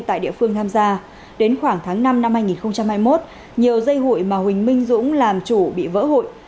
tại địa phương tham gia đến khoảng tháng năm năm hai nghìn hai mươi một nhiều dây hụi mà huỳnh minh dũng làm chủ bị vỡ hụi